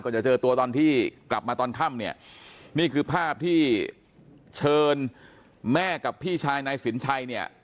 จะเจอตัวตอนที่กลับมาตอนค่ำเนี่ยนี่คือภาพที่เชิญแม่กับพี่ชายนายสินชัยเนี่ย